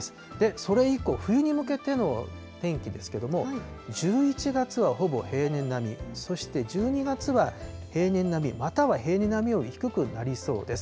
それ以降、冬に向けての天気ですけども、１１月はほぼ平年並み、そして１２月は平年並み、または平年並みより低くなりそうです。